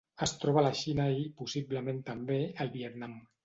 Es troba a la Xina i, possiblement també, al Vietnam.